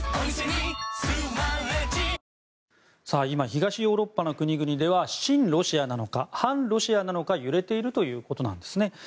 今、東ヨーロッパの国々では、親ロシアなのか反ロシアなのか揺れているということですね。